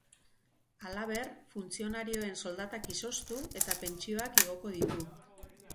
Halaber, funtzionarioen soldatak izoztu, eta pentsioak igoko ditu.